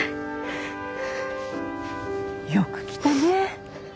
よく来たね。